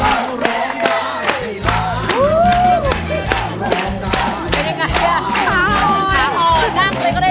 กลับร้อนขาหอดนั่งไปก็ได้นะ